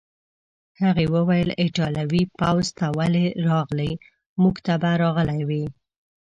هغې وویل: ایټالوي پوځ ته ولې راغلې؟ موږ ته به راغلی وای.